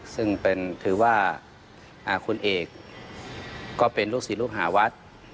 ซึ่งถือว่าคุณเอกก็เป็นลูกศิษย์ลูกหาวัด